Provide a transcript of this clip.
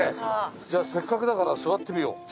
じゃあせっかくだから座ってみよう。